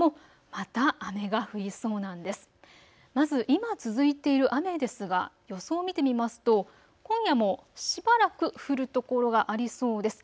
まず今続いている雨ですが予想見てみますと、今夜もしばらく降るところがありそうです。